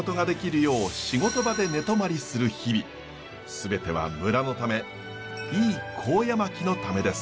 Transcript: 全ては村のためいい高野槙のためです。